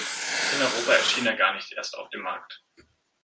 In Europa erschien er gar nicht erst auf dem Markt.